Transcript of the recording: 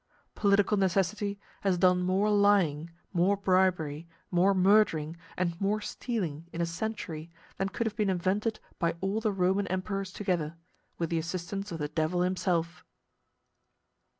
Political necessity has done more lying, more bribery, more murdering, and more stealing in a century, than could have been invented by all the Roman emperors together, with the assistance of the devil himself.